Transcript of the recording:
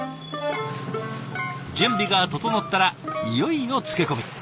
準備が整ったらいよいよ漬け込み。